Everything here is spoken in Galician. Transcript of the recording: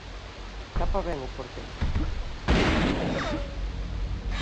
Tapa ben o porteiro.